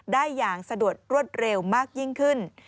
ได้อย่างสะดวกรวดเร็วมากยิ่งขึ้น